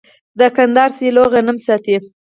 د کندهار سیلو غنم ساتي.